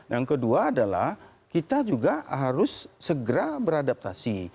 yang kedua adalah kita juga harus segera beradaptasi